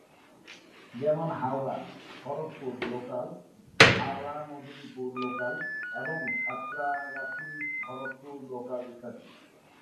যেমন- হাওড়া-খড়গপুর local, Howrah-Medinipur local এবং সাঁতরাগাছি-খড়গপুর local ইত্যাদি।